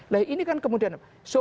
nah ini kan kemudian